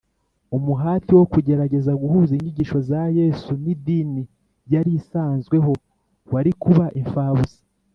umuhati wo kugerageza guhuza inyigisho za yesu n’idini yari isanzweho wari kuba imfabusa